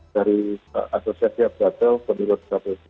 dari asosiasi abadal penduduk kabel itu